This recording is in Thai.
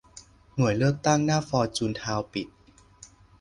หน่วยเลือกตั้งหน้าฟอร์จูนทาวน์ปิด